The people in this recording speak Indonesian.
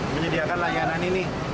menyediakan layanan ini